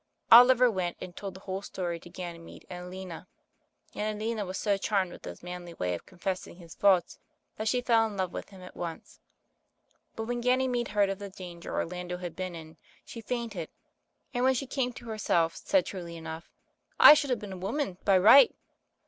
Oliver went and told the whole story to Ganymede and Aliena, and Aliena was so charmed with his manly way of confessing his faults, that she fell in love with him at once. But when Ganymede heard of the danger Orlando had been in, she fainted ; and when she came to herself, said truly enough, "I should have been a woman by right."